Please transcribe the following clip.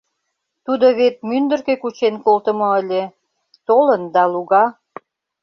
— Тудо вет мӱндыркӧ кучен колтымо ыле... толын да луга.